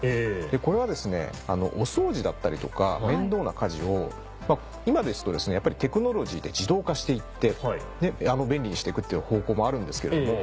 これはですねお掃除だったりとか面倒な家事を今ですとやっぱりテクノロジーで自動化していって便利にしていくって方向もあるんですけれども。